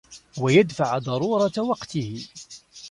وَيَدْفَعَ ضَرُورَةَ وَقْتِهِ